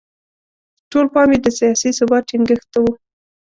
ټول پام یې د سیاسي ثبات ټینګښت ته و.